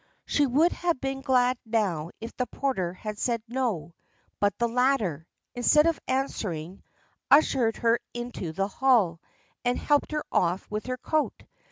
She would have been glad now if the porter had said "No," but the latter, instead of answering ushered her into the hall, and helped her off with her coat.